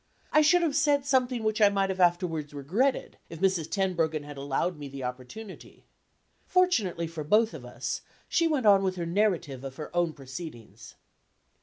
I should have said something which I might have afterward regretted, if Mrs. Tenbruggen had allowed me the opportunity. Fortunately for both of us, she went on with her narrative of her own proceedings.